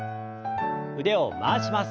腕を回します。